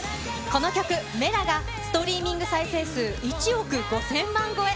この曲、Ｍｅｌａ！がストリーミング再生数１億５０００万超え。